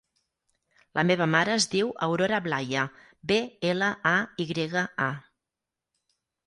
La meva mare es diu Aurora Blaya: be, ela, a, i grega, a.